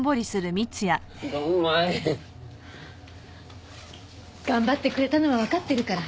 ドンマイ！頑張ってくれたのはわかってるから。